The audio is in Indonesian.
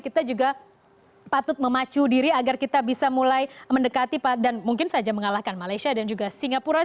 kita juga patut memacu diri agar kita bisa mulai mendekati dan mungkin saja mengalahkan malaysia dan juga singapura